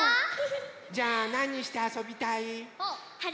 じゃあなにしてあそびたい？はるきはね